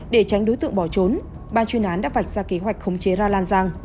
để tránh đối tượng bỏ trốn ban chuyên án đã vạch ra kế hoạch khống chế ra lan giang một cách tỉ mỉ